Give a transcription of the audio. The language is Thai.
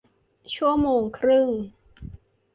ชั่วโมงครึ่ง